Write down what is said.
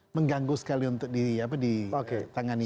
mengganggu sekali untuk ditangani